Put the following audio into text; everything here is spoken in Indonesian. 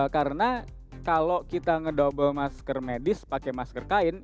karena kalau kita ngedouble masker medis pakai masker kain